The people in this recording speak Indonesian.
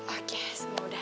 oke semua udah